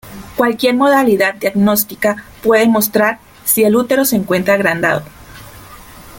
Cualquier modalidad diagnóstica puede mostrar si el útero se encuentra agrandado.